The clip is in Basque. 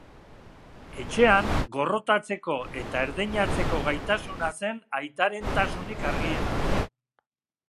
Etxean, gorrotatzeko eta erdeinatzeko gaitasuna zen aitaren tasunik argiena.